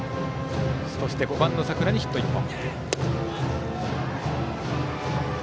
そして５番の佐倉にヒット１本。